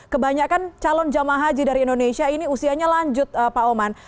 kebanyakan calon jemaah haji dari indonesia ini usianya lanjut pak oman